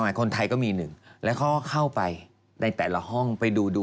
คนไทยก็มีหนึ่งแล้วเขาก็เข้าไปในแต่ละห้องไปดูดู